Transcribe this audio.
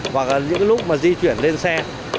hoặc là những lúc mà di chuyển lên xe